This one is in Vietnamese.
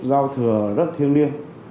giao thừa rất thiêng liêng